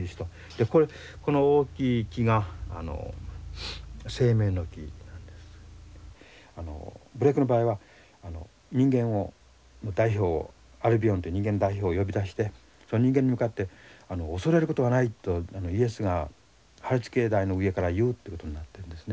でこれこの大きい木が「生命の木」なんです。ブレイクの場合は人間を代表をアルビオンって人間の代表を呼び出してその人間に向かって「恐れることはない」とイエスがはりつけ台の上から言うってことになってるんですね。